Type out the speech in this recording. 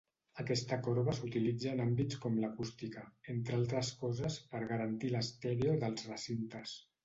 Aquesta corba s'utilitza en àmbits com l'acústica, entre altres coses, per garantir l'estèreo dels recintes.